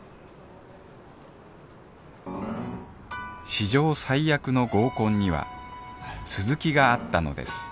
史上最悪の合コンには続きがあったのです